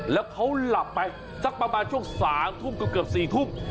แล้วเขาหลับไปสักประมาณช่วง๓ทุ่มเกือบ๔ทุ่ม